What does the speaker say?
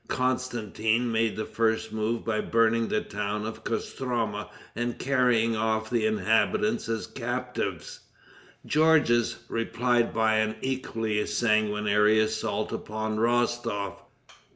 Constantin made the first move by burning the town of Kostroma and carrying off the inhabitants as captives. Georges replied by an equally sanguinary assault upon Rostof.